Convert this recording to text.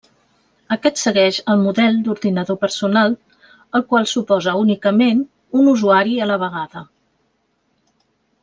Aquest segueix el model d'ordinador personal, el qual suposa únicament un usuari a la vegada.